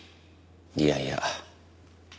いやいや。